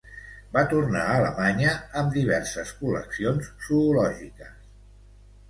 Va tornar a Alemanya amb diverses col·leccions zoològiques.